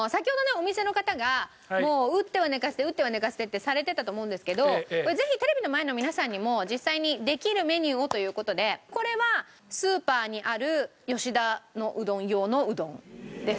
お店の方がもう打っては寝かせて打っては寝かせてってされてたと思うんですけどこれぜひテレビの前の皆さんにも実際にできるメニューをという事でこれはスーパーにある吉田のうどん用のうどんです。